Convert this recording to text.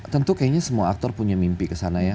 tentu kayaknya semua aktor punya mimpi kesana ya